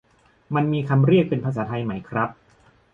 มันมีคำเรียกเป็นภาษาไทยไหมครับ